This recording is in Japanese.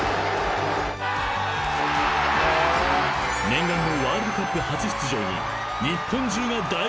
［念願のワールドカップ初出場に］